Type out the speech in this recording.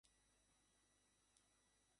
Danny, please.